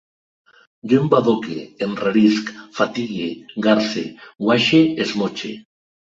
Jo embadoque, enrarisc, fatigue, garse, guaixe, esmotxe